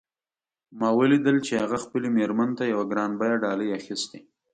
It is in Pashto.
ما ولیدل چې هغه خپلې میرمن ته یوه ګران بیه ډالۍ اخیستې